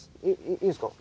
いいんすか？